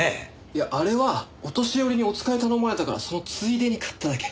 いやあれはお年寄りにお使いを頼まれたからそのついでに買っただけ。